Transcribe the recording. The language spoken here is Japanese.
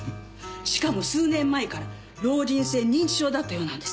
しかも数年前から老人性認知症だったようなんです。